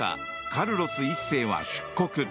カルロス１世は出国。